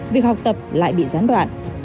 việc học tập lại bị gián đoạn